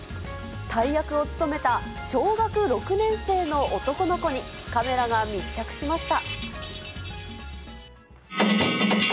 大役を務めた小学６年生の男の子にカメラが密着しました。